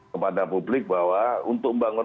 kepada publik bahwa untuk membangun